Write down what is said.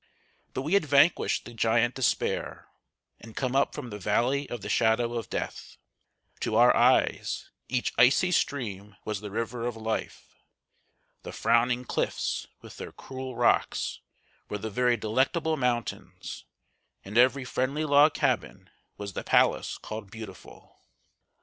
But we had vanquished the Giant Despair, and come up from the Valley of the Shadow of Death. To our eyes, each icy stream was the River of Life. The frowning cliffs, with their cruel rocks, were the very Delectable Mountains; and every friendly log cabin was the Palace called Beautiful.